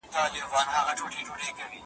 اوس یې شیخان و آینې ته پر سجده پرېوزي ,